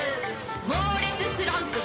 猛烈スランプ！